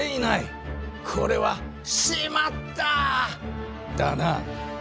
これは「しまった！」だな。